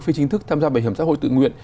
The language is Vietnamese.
phi chính thức tham gia bảo hiểm xã hội tự nguyện